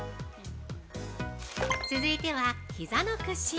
続いてはひざの屈伸。